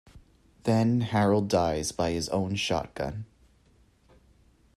Then Harold dies by his own shotgun.